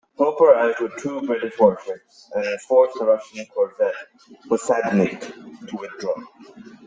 Hope arrived with two British warships and forced the Russian corvette "Posadnik" to withdraw.